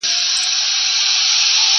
بو ډا تللی دی پر لار د پخوانیو٫